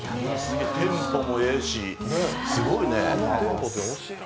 テンポもええし、すごいね。